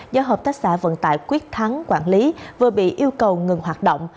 do hợp tác xã vận tải quyết thắng quản lý vừa bị yêu cầu ngừng hoạt động